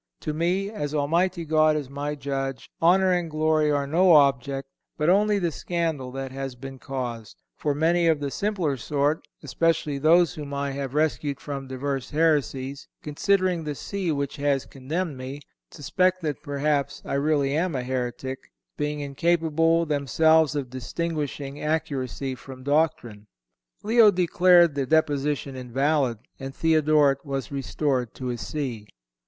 To me, as Almighty God is my Judge, honor and glory are no object, but only the scandal that has been caused; for many of the simpler sort, especially those whom I have rescued from diverse heresies, considering the See which has condemned me, suspect that perhaps I really am a heretic, being incapable themselves of distinguishing accuracy of doctrine."(169) Leo declared the deposition invalid and Theodoret was restored to his See.